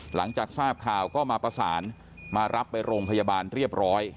หลังจากทราบข่าวก็มาประสานมารับไปโรงพยาบาลเรียบร้อย